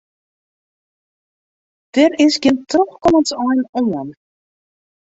Der is gjin trochkommensein oan.